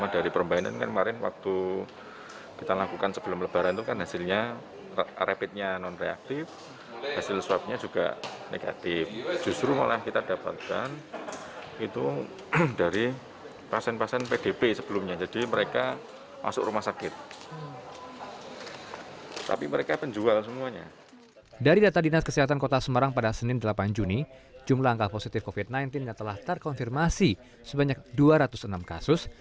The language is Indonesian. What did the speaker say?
dari data dinas kesehatan kota semarang pada senin delapan juni jumlah angka positif covid sembilan belas yang telah terkonfirmasi sebanyak dua ratus enam kasus